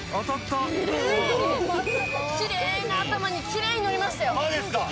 きれいな頭にきれいに乗りましたよ。